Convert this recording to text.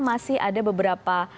masih ada beberapa